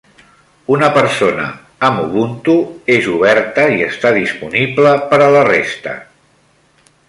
Una persona amb ubuntu és oberta i està disponible per a la resta